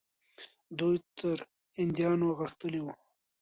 دوی تر هندیانو غښتلي وو.